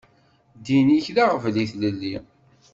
Ddin-ik d aɣbel i tlelli.